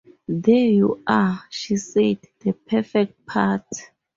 "There you are", she said, "the perfect part.